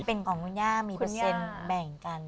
เป็นของคุณย่ามีเปอร์เซ็นต์แบ่งกัน